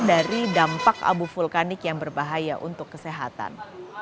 dari dampak abu vulkanik yang berbahaya untuk kesehatan